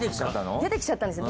出てきちゃったんですよ。